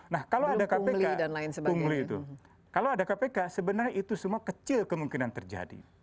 nah kalau ada kpk pungli itu kalau ada kpk sebenarnya itu semua kecil kemungkinan terjadi